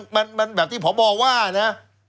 มันแบบที่พบว่านะ